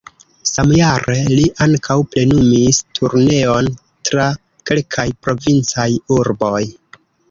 Samjare li ankaŭ plenumis turneon tra kelkaj provincaj urboj.